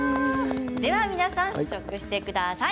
では、皆さん試食してください。